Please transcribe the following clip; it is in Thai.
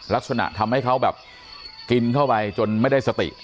ทำให้เขาแบบกินเข้าไปจนไม่ได้สติ